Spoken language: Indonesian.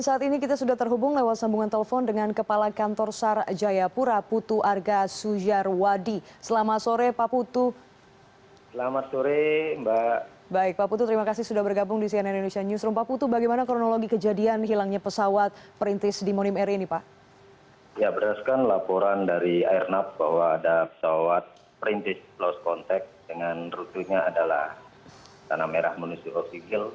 perintis lost contact dengan rutunya adalah tanah merah munisi oksibil